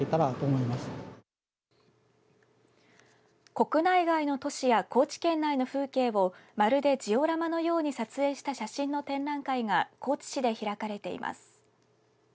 国内外の都市や高知県内の風景をまるでジオラマのように撮影した写真の展覧会が高知市で開かれています。